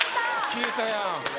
消えたやん